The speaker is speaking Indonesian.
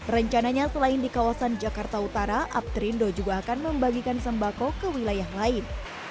rencananya selain di kawasan jakarta utara aptrindo juga akan membagikan sembako ke wilayah lain